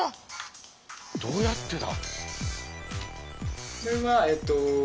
どうやってだ？